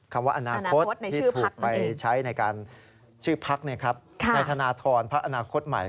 คำว่าอนาคตที่ถูกไปใช้ในการชื่อพักในธนทรพักอนาคตใหม่